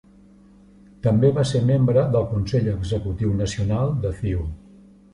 També va ser membre del consell executiu nacional de CiU.